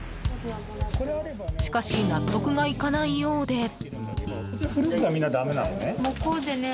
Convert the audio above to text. しかし、納得がいかないようで。